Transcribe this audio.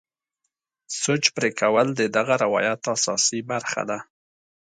سوچ پرې کول د دغه روایت اساسي برخه ده.